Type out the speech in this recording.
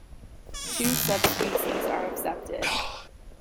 Two subspecies are accepted.